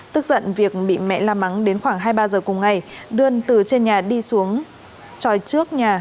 tức giận việc bị mẹ la mắng đến khoảng hai mươi ba giờ cùng ngày đưa từ trên nhà đi xuống tròi trước nhà